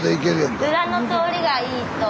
裏の通りがいいと。